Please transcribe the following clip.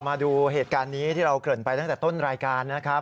มาดูเหตุการณ์นี้ที่เราเกิดไปตั้งแต่ต้นรายการนะครับ